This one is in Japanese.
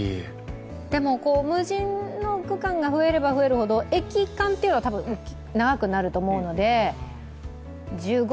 でも、無人の駅が増えれば増えるほど駅間は長くなると思うので、１５？